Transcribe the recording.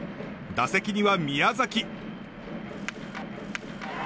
打席には宮崎。